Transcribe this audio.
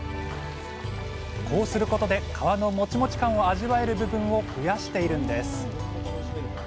こうすることで皮のモチモチ感を味わえる部分を増やしているんです。